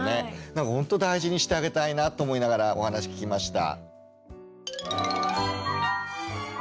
だからほんと大事にしてあげたいなと思いながらお話聞きました。